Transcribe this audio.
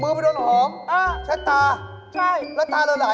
มือไปโดนหอมเช็ดตา